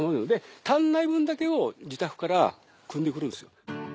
足らない分だけを自宅から汲んでくるんですよ。